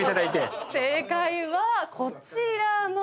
正解はこちらの。